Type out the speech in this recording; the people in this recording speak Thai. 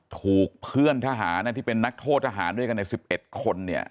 ถูกเพื่อนทหารที่เป็นนักโทษทหารด้วยกันใน๑๑คนเนี่ย